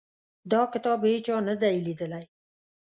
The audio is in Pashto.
دا کتاب هیچا نه دی لیدلی.